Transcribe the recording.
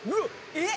・えっ？